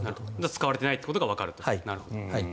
使われていないということがわかると。